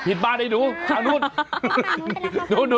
ผิดบ้านใหญ่หนูข้างนู้น